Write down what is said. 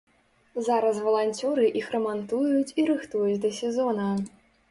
Зараз валанцёры іх рамантуюць і рыхтуюць да сезона.